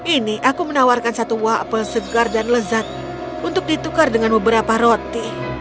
ini aku menawarkan satu wapel segar dan lezat untuk ditukar dengan beberapa roti